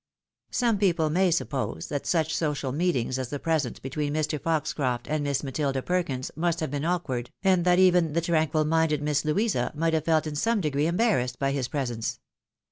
Some people may suppose that such social meetings as the present between Mr. Foxcroft and Miss Matilda Periins must have been awkward, and that even the tranquil minded Miss Louisa might have felt in some degree embarrassed by his pre sence.